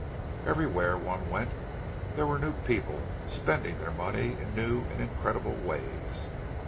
Everywhere one went there were new people, spending their money in new and incredible ways.